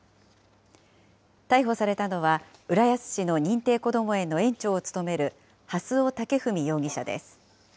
逮捕されたのは、浦安市の認定こども園の園長を務める蓮尾剛史容疑者です。